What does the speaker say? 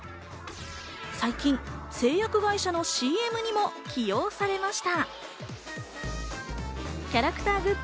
最近、製薬会社のＣＭにも起用されました。